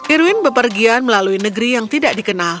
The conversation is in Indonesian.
irwin bepergian melalui negeri yang tidak dikenal